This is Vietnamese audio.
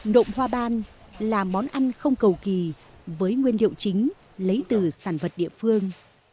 nộm hoa ban là món ăn không cầu kỳ với nguyên liệu chính lấy từ sản vật địa phương